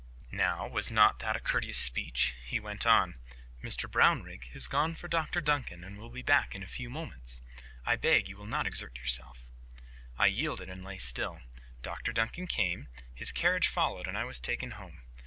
Now, was not that a courteous speech? He went on— "Mr Brownrigg has gone for Dr Duncan, and will be back in a few moments. I beg you will not exert yourself." I yielded and lay still. Dr Duncan came. His carriage followed, and I was taken home.